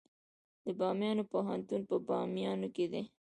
د بامیان پوهنتون په بامیان کې دی